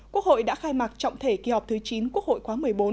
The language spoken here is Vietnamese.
quốc hội đã khai mạc trọng thể kỳ họp thứ chín quốc hội khóa một mươi bốn